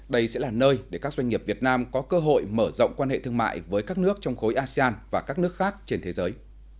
đây sẽ là nơi để các doanh nghiệp việt nam có cơ hội mở rộng quan hệ thương mại với các nước trong khối asean và các nước khác trên thế giới